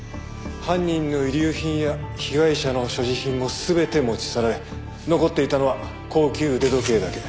犯人の遺留品や被害者の所持品も全て持ち去られ残っていたのは高級腕時計だけ。